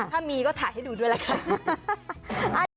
ถ้ามีก็ถ่ายให้ดูด้วยละกัน